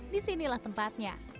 di sinilah tempatnya